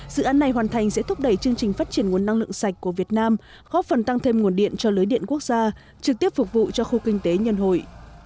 dự án này hoàn thành sẽ thúc đẩy chương trình phát triển nguồn năng lượng sạch của việt nam góp phần tăng thêm nguồn điện cho lưới điện quốc gia trực tiếp phục vụ cho khu kinh tế nhân hội